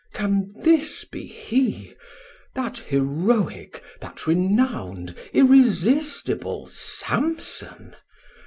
Can this be hee, That Heroic, that Renown'd, Irresistible Samson?